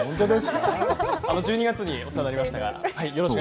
１２月にお世話になりましたが。